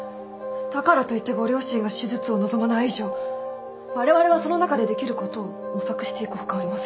だからといってご両親が手術を望まない以上われわれはその中でできることを模索していく他ありません。